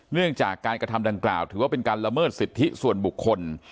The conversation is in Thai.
เนื่องจากการกระทำดังกล่าวถือว่าเป็นการละเมิดสิทธิส่วนบุคคล